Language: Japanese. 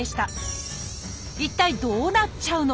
一体どうなっちゃうの？